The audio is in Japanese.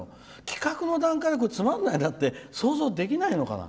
企画の段階でつまんないって想像できないのかな。